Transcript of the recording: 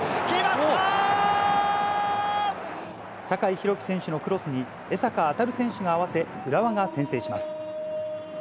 酒井宏樹選手のクロスに、江坂あたる選手が合わせ、浦和が先制します。